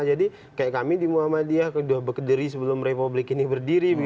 jadi kayak kami di muhammadiyah sudah berkediri sebelum republik ini berdiri